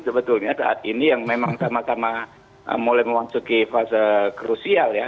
sebetulnya saat ini yang memang sama sama mulai memasuki fase krusial ya